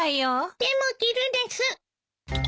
でも着るです！